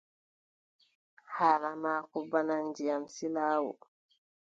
Haala maako bana ndiyam silaawo.